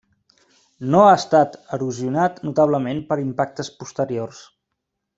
No ha estat erosionat notablement per impactes posteriors.